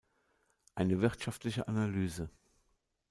Eine wirtschaftliche Analyse".